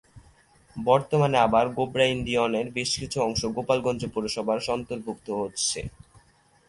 বর্তমানে আবার গোবরা ইউনিয়নের বেশকিছু অংশ গোপালগঞ্জ পৌরসভার অন্তর্ভুক্ত হচ্ছে।